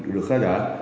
được khai trả